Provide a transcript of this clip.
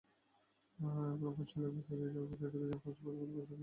ত্রপা Australian ভার্সিটির চার বছর এডুকেশন কোর্স করে বসেছিল অনেক দিন।